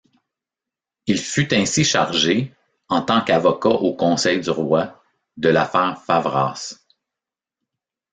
Il fut aussi chargé, en tant qu'avocat aux conseils du roi, de l’affaire Favras.